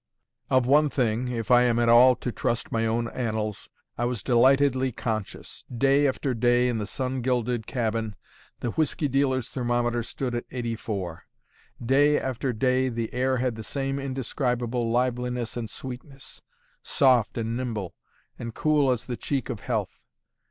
Of one thing, if I am at all to trust my own annals, I was delightedly conscious. Day after day, in the sun gilded cabin, the whiskey dealer's thermometer stood at 84. Day after day, the air had the same indescribable liveliness and sweetness, soft and nimble, and cool as the cheek of health.